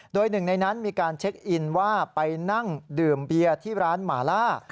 โดยหนึ่งในนั้นมีการเช็คอินว่าไปนั่งดื่มเบียร์ที่ร้านหมาล่า